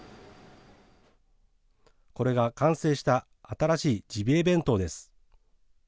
これが完成した新しいジビエ弁当です。